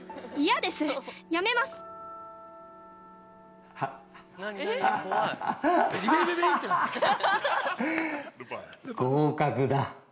合格だ。